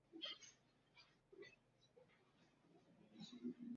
kumekuwa majeshi ya Kongo na Uganda yalitia saini Juni mosi